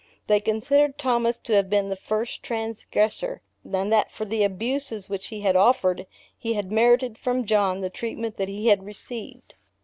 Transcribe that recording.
They considered Thomas to have been the first transgressor, and that for the abuses which he had offered, he had merited from John the treatment that he had received.